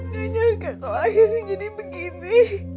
nih nyangka kalau akhirnya gini begini